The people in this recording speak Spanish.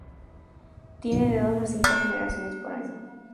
Tiene de dos a cinco generaciones por año.